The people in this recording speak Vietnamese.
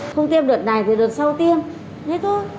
không tiêm đợt này thì đợt sau tiêm hết thôi